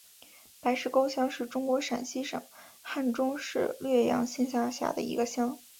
白石沟乡是中国陕西省汉中市略阳县下辖的一个乡。